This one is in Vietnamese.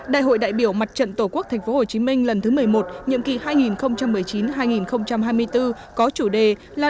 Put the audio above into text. đại hội đại biểu mặt trận tổ quốc tp hcm lần thứ một mươi một nhiệm kỳ hai nghìn một mươi chín hai nghìn hai mươi bốn có chủ đề là